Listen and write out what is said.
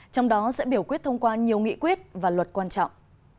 trong đó sẽ biểu quyết thông qua nhiều nghị quyết và luật quan trọng